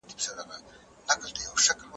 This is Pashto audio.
فکري ثبات د سولې لامل ګرځي.